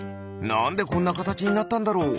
なんでこんなかたちになったんだろう？